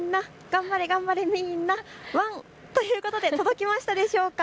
頑張れ頑張れみんな、頑張れ頑張れみんなワン！ということで届きましたでしょうか。